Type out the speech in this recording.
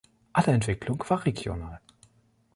Alle Entwicklung war regional.